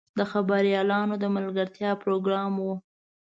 د خبریالانو د ملګرتیا پروګرام و.